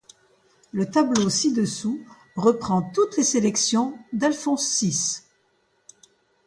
Le tableau ci-dessous reprend toutes les sélections d'Alphonse Six.